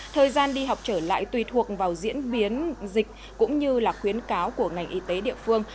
thời gian đi học trở lại tùy thuộc vào diễn biến dịch cũng như là khuyến cáo của ngành y tế địa phương